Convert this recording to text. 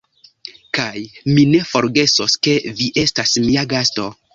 Kaj mi ne forgesos, ke vi estas mia gasto!